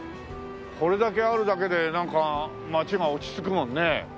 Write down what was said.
これだけあるだけでなんか街が落ち着くもんね。